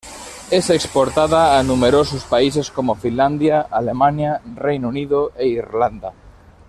Es exportada a numerosos países como Finlandia, Alemania, Reino Unido e Irlanda.